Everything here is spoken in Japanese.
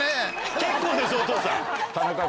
結構です、お父さん。